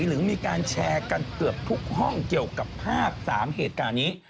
หรือมีการแชร์กันเกือบทุกห้องเกี่ยวกับภาพ๓เหตุการณ์นี้